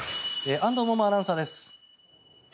安藤萌々アナウンサーです。